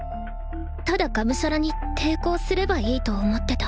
ただがむしゃらに抵抗すればいいと思ってた。